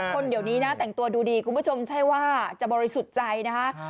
คนเดี๋ยวนี้นะแต่งตัวดูดีคุณผู้ชมใช่ว่าจะบริสุทธิ์ใจนะคะ